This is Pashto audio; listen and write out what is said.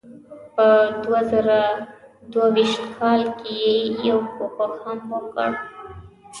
په دوه زره دوه ویشت کال کې یې یو کوښښ هم وکړ.